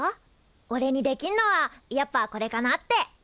おれにできんのはやっぱこれかなって。